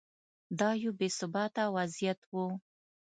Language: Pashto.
دا یو بې ثباته وضعیت و.